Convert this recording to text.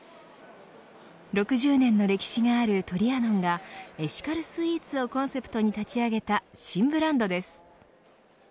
６０年の歴史があるトリアノンがエシカルスイーツをコンセプトに立ち上げた新ブランドです。